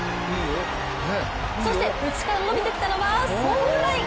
そして内から伸びてきたのはソングライン！